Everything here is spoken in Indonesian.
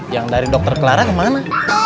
yang dari dokter clara kemana